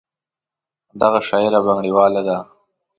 دغه شاعره بنګړیواله ده.